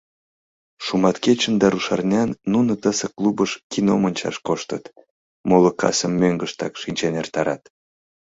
Шуматкечын да рушарнян нуно тысе клубыш кином ончаш коштыт, моло касым мӧҥгыштак шинчен эртарат.